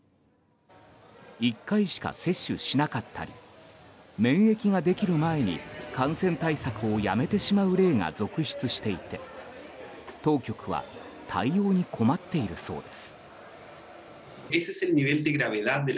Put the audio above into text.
１回しか接種しなかったり免疫ができる前に感染対策をやめてしまう例が続出していて、当局は対応に困っているそうです。